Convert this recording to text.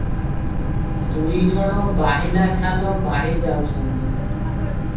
ଦୁଇ ଜଣ ବାହିଆ ଛାଲ ବାହି ଯାଉଥାନ୍ତି ।